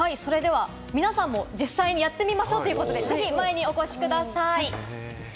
それでは皆さんも実際にやってみましょうということで、ぜひ前にお越しください。